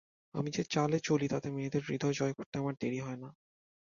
আমি যে চালে চলি তাতে মেয়েদের হৃদয় জয় করতে আমার দেরি হয় না।